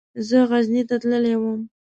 زه غزني ته تللی وم.